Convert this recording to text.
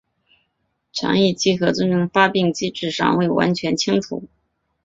肠易激综合征的发病机制尚未完全清楚。